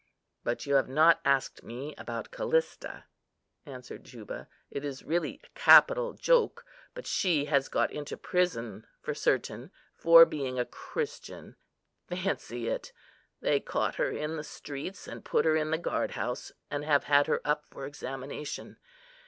"But you have not asked me about Callista," answered Juba. "It is really a capital joke, but she has got into prison for certain, for being a Christian. Fancy it! they caught her in the streets, and put her in the guard house, and have had her up for examination.